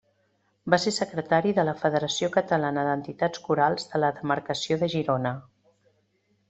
Va ser secretari de la Federació Catalana d'Entitats Corals de la demarcació de Girona.